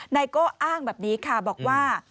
นายโก้อ้างแบบนี้ค่ะบอกว่า